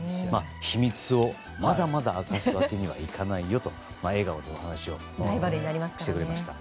秘密をまだまだ明かすわけにはいかないよと笑顔でお話をしてくれました。